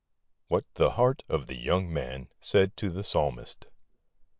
■WHAT THE HEART OF THE YOUNG MAN SAID TO THE PSALMIST.